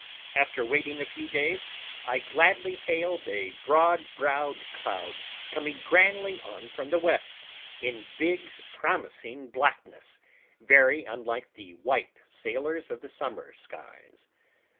After waiting a few days, I gladly hailed a broad browed cloud coming grandly on from the west in big promising blackness, very unlike the white sailors of the summer skies.